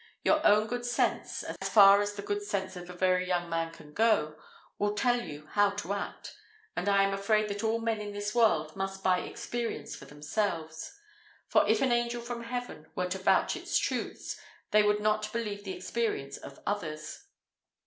Your own good sense, as far as the good sense of a very young man can go, will tell you how to act, and I am afraid that all men in this world must buy experience for themselves; for if an angel from heaven were to vouch its truths, they would not believe the experience of others.